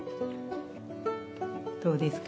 どうですか？